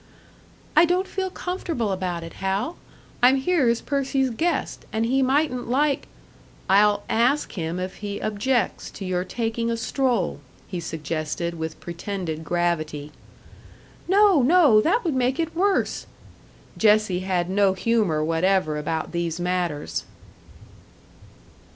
"I don't feel comfortable about it, Hal. I'm here as Percy's guest, and he mightn't like " "I'll ask him if he objects to your taking a stroll," he suggested, with pretended gravity. "No, no! That would make it worse!" Jessie had no humour whatever about these matters.